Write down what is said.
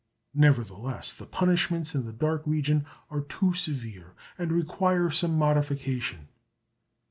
Nevertheless, the punishments in the dark region are too severe, and require some modification.